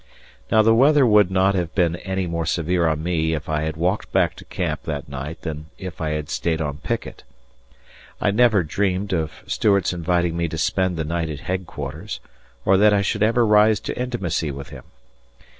Now the weather would not have been any more severe on me if I had walked back to camp that night than if I had stayed on picket. I neverdreamed of Stuart's inviting me to spend the night at headquarters, or that I should ever rise to intimacy with him.